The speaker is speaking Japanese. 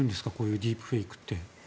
ディープフェイクって。